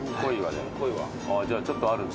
じゃあちょっとあるんですね。